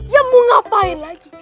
ya mau ngapain lagi